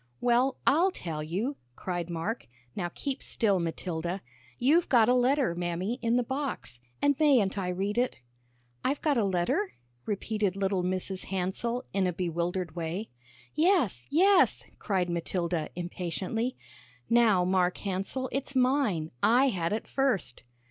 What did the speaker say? "Well, I'll tell you," cried Mark. "Now keep still, Matilda. You've got a letter, Mammy, in the box, and mayn't I read it?" "I've got a letter?" repeated little Mrs. Hansell, in a bewildered way. "Yes, yes," cried Matilda, impatiently. "Now, Mark Hansell, it's mine; I had it first."